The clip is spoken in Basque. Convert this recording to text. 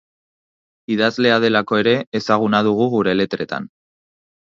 Idazlea delako ere ezaguna dugu gure letretan.